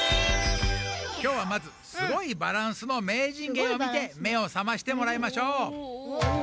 きょうはまずすごいバランスのめいじん芸をみてめをさましてもらいましょう。